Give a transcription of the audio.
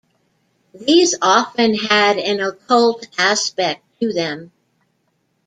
These often had an occult aspect to them.